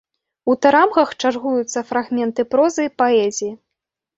У тарамгах чаргуюцца фрагменты прозы і паэзіі.